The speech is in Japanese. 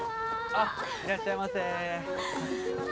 あっいらっしゃいませ。